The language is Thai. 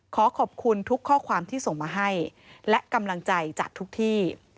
ขอขอบคุณทุกข้อความที่ส่งมาให้และกำลังใจจากทุกที่